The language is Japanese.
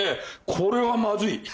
これはまずい。